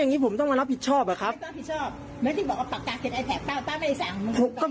อันนี้ส่งให้ป้าคืออะไร